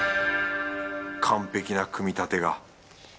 完璧な組み立てが